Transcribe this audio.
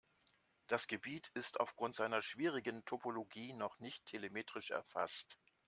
Das Gebiet ist aufgrund seiner schwierigen Topologie noch nicht telemetrisch erfasst.